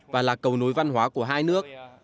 và là cầu nối văn hóa của hai nước